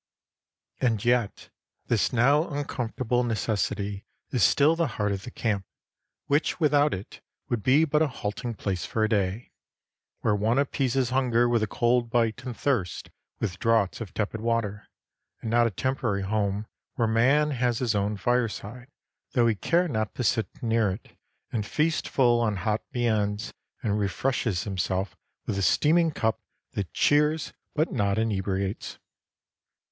And yet this now uncomfortable necessity is still the heart of the camp, which without it would be but a halting place for a day, where one appeases hunger with a cold bite and thirst with draughts of tepid water, and not a temporary home where man has his own fireside, though he care not to sit near it, and feasts full on hot viands and refreshes himself with the steaming cup that cheers but not inebriates.